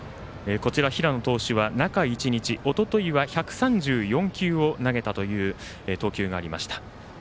平野投手は中１日おとといは１３４球を投げたという投球がありました。